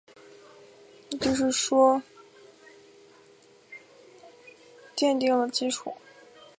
这些说法为受体学说奠定了基础。